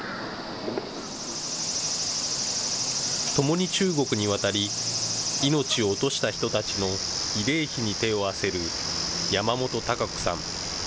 ともに中国に渡り、命を落とした人たちの慰霊碑に手を合わせる山本孝子さん。